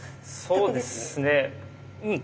そうですねうん。